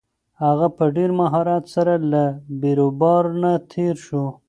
هغه په ډېر مهارت سره له بېروبار نه تېر شو.